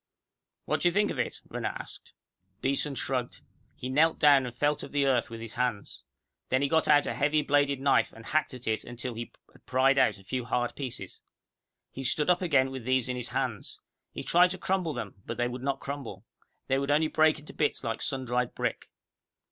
"What do you think of it?" Renner asked. Beeson shrugged. He knelt down and felt of the earth with his hands. Then he got out a heavy bladed knife and hacked at it until he had pried out a few hard pieces. He stood up again with these in his hands. He tried to crumble them, but they would not crumble. They would only break into bits like sun dried brick.